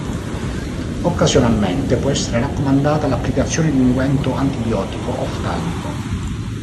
Occasionalmente può essere raccomandata l'applicazione di unguento antibiotico oftalmico.